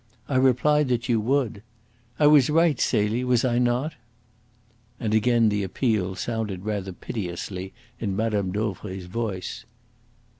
I replied that you would. I was right, Celie, was I not?" And again the appeal sounded rather piteously in Mme. Dauvray's voice.